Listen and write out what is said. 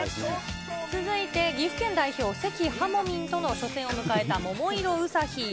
続いて岐阜県代表、関はもみんとの初戦を迎えた桃色ウサヒ。